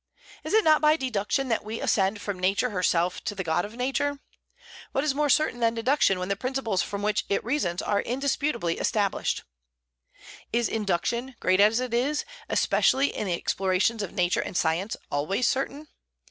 Is it not by deduction that we ascend from Nature herself to the God of Nature? What is more certain than deduction when the principles from which it reasons are indisputably established? Is induction, great as it is, especially in the explorations of Nature and science, always certain?